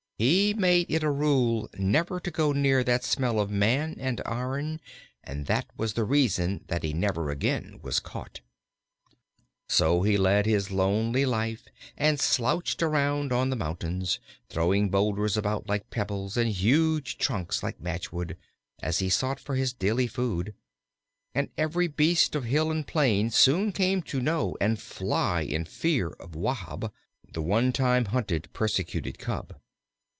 He made it a rule never to go near that smell of man and iron, and that was the reason that he never again was caught. So he led his lonely life and slouched around on the mountains, throwing boulders about like pebbles, and huge trunks like matchwood, as he sought for his daily food. And every beast of hill and plain soon came to know and fly in fear of Wahb, the one time hunted, persecuted Cub.